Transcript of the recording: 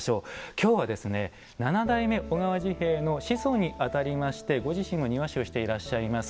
今日は７代目小川治兵衛の子孫に当たりましてご自身も庭師をしていらっしゃいます